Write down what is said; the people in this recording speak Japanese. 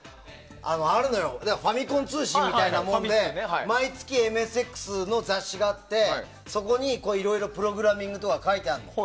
あるのよ「ファミコン通信」みたいなもんで毎月、ＭＳＸの雑誌があってそこにいろいろプログラミングが書いてあるのよ。